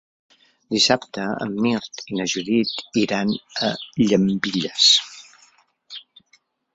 Dissabte en Mirt i na Judit iran a Llambilles.